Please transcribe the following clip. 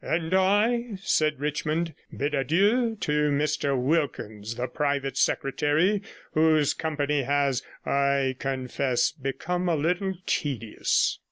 'And I,' said Richmond, 'bid adieu to Mr Wilkins the private secretary, whose company has, I confess become a little tedious.'